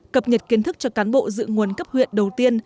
cập nhật kiến thức cho cán bộ dự nguồn cấp huyện đầu tiên